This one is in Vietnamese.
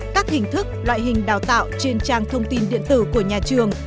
các hình thức loại hình đào tạo trên trang thông tin điện tử của nhà trường